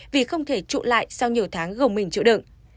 vì không thể trụ lại sau nhiều tháng gồng mình chịu đựng